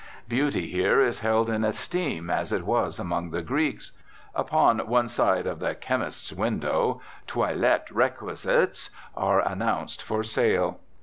Beauty here is held in esteem as it was among the Greeks. Upon one side of the "chemist's" window "toilet requisites" are announced for sale.